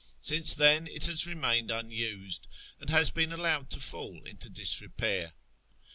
Since then it has remained unused, and has been allowed to fall into disrepair.